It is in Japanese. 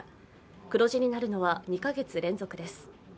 黒字になるのは２か月連続です。